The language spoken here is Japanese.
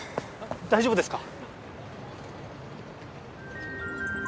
大丈夫ですか？